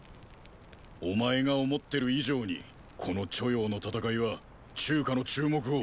お前が思ってる以上にこの著雍の戦いは中華の注目を。